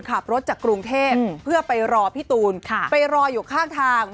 ขับรถจากกรุงเทพเพื่อไปรอพี่ตูนไปรออยู่ข้างทาง